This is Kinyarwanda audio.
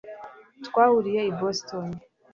Twahuriye i Boston